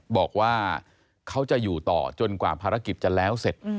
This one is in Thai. บอกว่าเขาจะอยู่ต่อจนกว่าภารกิจจะแล้วเสร็จ